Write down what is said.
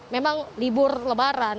memang libur lebaran